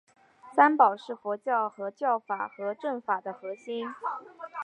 三宝是佛教的教法和证法的核心。